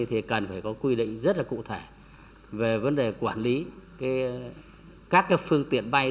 thì cần phải có quy định rất là cụ thể về vấn đề quản lý các phương tiện bay